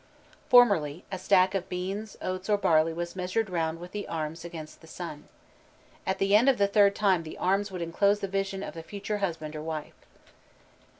_ Formerly a stack of beans, oats, or barley was measured round with the arms against sun. At the end of the third time the arms would enclose the vision of the future husband or wife.